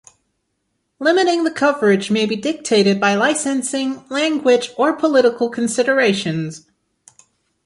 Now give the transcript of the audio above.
Limiting the coverage may be dictated by licensing, language or political considerations.